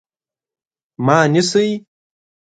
_ما نيسئ؟